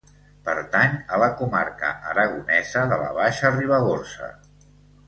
Pertany a la comarca aragonesa de la Baixa Ribagorça.